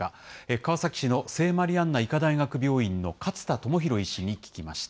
川崎市の聖マリアンナ医科大学病院の勝田友博医師に聞きました。